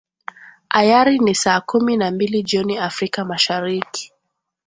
ayari ni saa kumi na mbili jioni afrika mashariki